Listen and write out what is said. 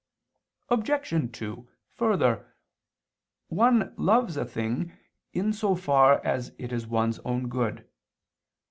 Obj. 2: Further, one loves a thing in so far as it is one's own good.